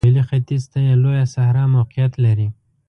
سویلي ختیځ ته یې لویه صحرا موقعیت لري.